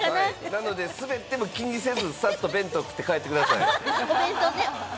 なのでスベってもサッと弁当食って帰ってください。